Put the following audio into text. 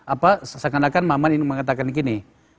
apa seakan akan maman ingin mengatakan gini